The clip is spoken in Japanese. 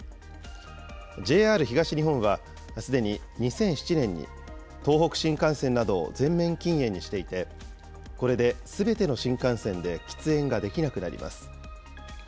ＪＲ東日本はすでに２００７年に、東北新幹線などを全面禁煙にしていて、これですべての新幹線で喫煙ができなくなります。